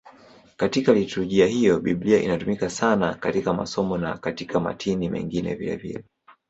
Katika liturujia hiyo Biblia inatumika sana katika masomo na katika matini mengine vilevile.